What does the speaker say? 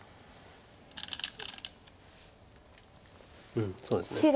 うんそうですね。